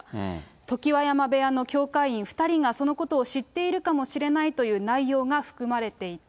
常盤山部屋の協会員２人が、そのことを知っているかもしれないという内容が含まれていた。